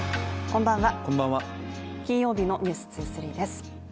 こんばんは、金曜日の「ｎｅｗｓ２３」です。